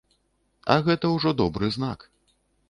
А гэта ўжо добры знак.